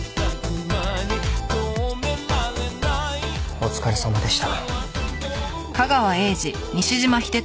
お疲れさまでした。